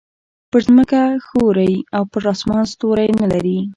پر ځمکه ښوری او پر اسمان ستوری نه لري.